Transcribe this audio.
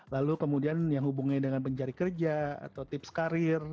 lalu kemudian yang hubungannya dengan pencari kerja atau tips karir